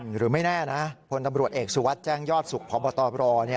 หรือไม่แน่นะพลตำรวจเอกสุวัสดิ์แจ้งยอดสุขพบตร